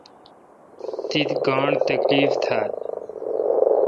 تی گاݨڈ تکیف تھال۔